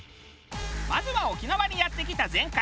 まずは沖縄にやって来た前回王者から。